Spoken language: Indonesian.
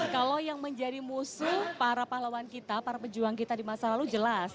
kalau yang menjadi musuh para pahlawan kita para pejuang kita di masa lalu jelas